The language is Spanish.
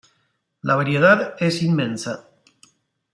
La variedad es inmensa.